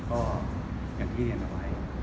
ก็อย่างที่เรียนเอาไว้